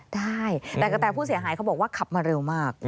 ได้แต่กระแต่ผู้เสียหายเขาบอกว่าขับมาเร็วมาก